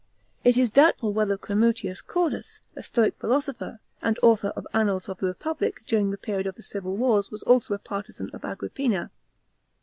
It is doubtful whether Cremutius Cordus, a Stoic philosopher,, and author of Annals of the Republic during the period of the civil wars, was also a partisan of Agrippina.